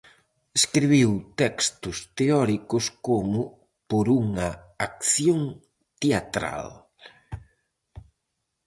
Escribiu textos teóricos como "Por unha acción teatral".